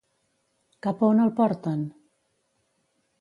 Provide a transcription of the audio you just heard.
Cap a on el porten?